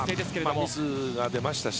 ミスが出ましたし